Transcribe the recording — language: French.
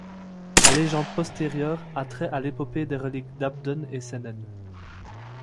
La légende postérieure a trait à l'épopée des reliques d'Abdon et Sennen.